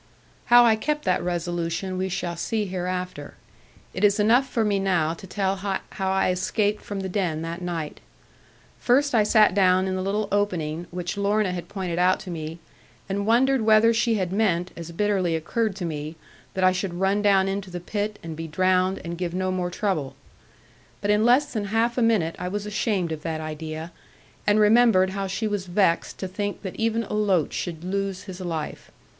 How I kept that resolution we shall see hereafter. It is enough for me now to tell how I escaped from the den that night. First I sat down in the little opening which Lorna had pointed out to me, and wondered whether she had meant, as bitterly occurred to me, that I should run down into the pit, and be drowned, and give no more trouble. But in less than half a minute I was ashamed of that idea, and remembered how she was vexed to think that even a loach should lose his life.